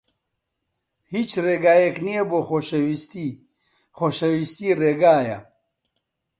هیچ ڕێگایەک نییە بۆ خۆشەویستی. خۆشەویستی ڕێگایە.